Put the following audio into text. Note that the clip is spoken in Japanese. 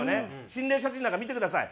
心霊写真なんか見てください。